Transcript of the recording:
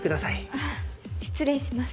あ失礼します。